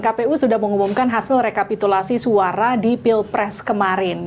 kpu sudah mengumumkan hasil rekapitulasi suara di pilpres kemarin